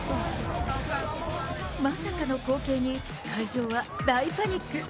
まさかの光景に、会場は大パニック。